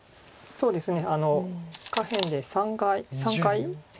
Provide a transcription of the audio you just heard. そうですね。